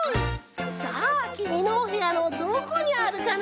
さあきみのおへやのどこにあるかな？